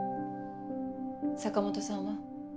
坂本さんは？